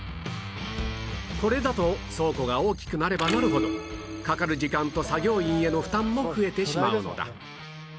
これだと倉庫が大きくなればなるほどかかる時間と作業員への負担も増えてしまうのだ